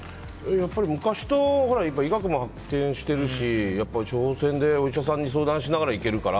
やっぱり医学も発展してるし処方箋で、お医者さんに相談しながら行けるから。